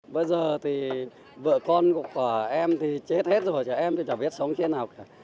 bây giờ thì vợ con của em thì chết hết rồi em chả biết sống thế nào cả